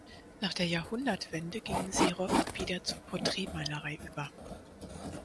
Nach der Jahrhundertwende ging Serow wieder zur Porträtmalerei über.